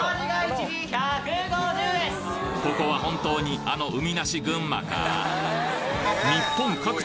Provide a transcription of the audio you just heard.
ここは本当にあの海なし群馬か？